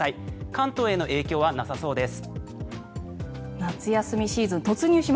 関東への影響はなさそうです。